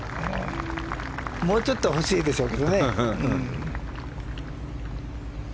もうちょっと欲しいでしょうけどね。